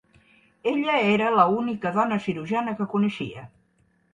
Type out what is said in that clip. Ella era l"única dona cirurgiana que coneixia.